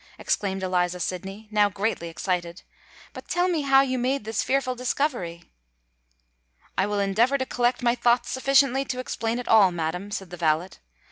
exclaimed Eliza Sydney, now greatly excited. "But tell me how you made this fearful discovery!" "I will endeavour to collect my thoughts sufficiently to explain it all, madam," said the valet.